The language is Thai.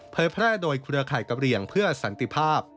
แพร่โดยเครือข่ายกะเหลี่ยงเพื่อสันติภาพ